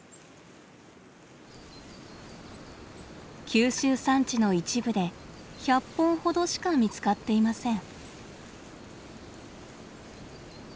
九州山地の一部で１００本ほどしか見つかっていません。